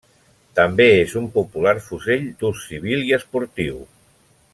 També és un popular fusell d'ús civil i esportiu.